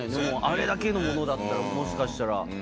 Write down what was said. あれだけのものだったらもしかしたら。